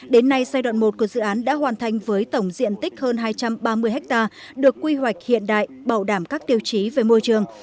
đến nay giai đoạn một của dự án đã hoàn thành với tổng diện tích hơn hai trăm ba mươi ha được quy hoạch hiện đại bảo đảm các tiêu chí về môi trường